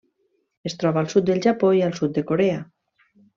Es troba al sud del Japó i al sud de Corea.